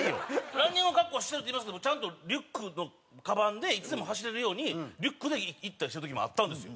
ランニングの格好してるって言いますけどちゃんとリュックのカバンでいつでも走れるようにリュックで行ったりしてる時もあったんですよ。